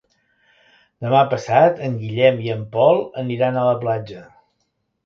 Demà passat en Guillem i en Pol aniran a la platja.